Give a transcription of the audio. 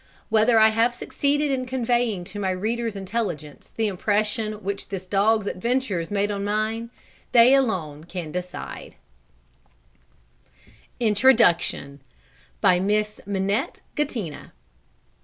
Whether I have succeeded in conveying to my readers' intelligence the impression which this Dog's Adventures made on mine, they alone can decide. A. E. LYNDHURST ROAD, PECKHAM. INTRODUCTION. BY MISS MINETTE GATTINA.